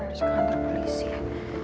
harus ke kantor polisi ya